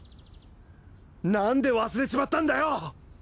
なんで忘れちまったんだよ！